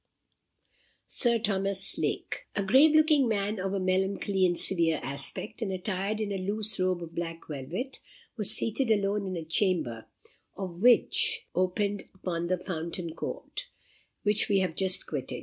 Sir Thomas Lake. A grave looking man, of a melancholy and severe aspect, and attired in a loose robe of black velvet, was seated alone in a chamber, the windows of which opened upon the Fountain Court, which we have just quitted.